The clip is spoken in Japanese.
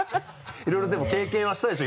いろいろでも経験はしたでしょ？